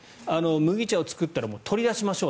麦茶を作ったら取り出しましょう。